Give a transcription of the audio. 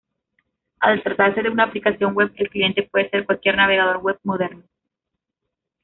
Al tratarse de una aplicación web, el cliente puede ser cualquier navegador web moderno.